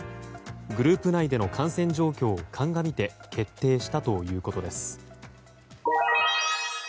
グループ内での感染状況を鑑みて決定したということです。